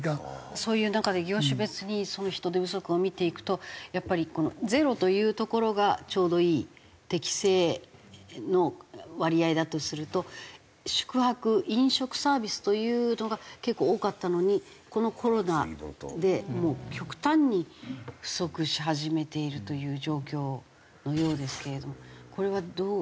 そういう中で業種別に人手不足を見ていくとやっぱりこの０というところがちょうどいい適正の割合だとすると宿泊飲食サービスというのが結構多かったのにこのコロナでもう極端に不足し始めているという状況のようですけれどもこれはどう？